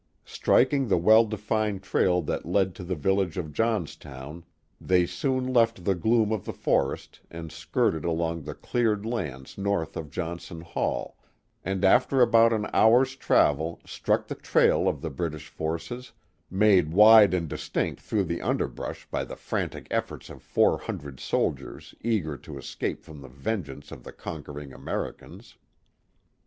Striking the well defined trail that led to the village of 24S The Mohawk Valley Johnstown, they soon left the gloom of the forest and skirted along the cleared lands north of Johnson Hall, and after about an hour's travel struck the trail of the British forces, made wide and dislinct through the underbrush by the frantic efTorts of four hundred soldiers eager to escape from the vengeance of the conquering Americans.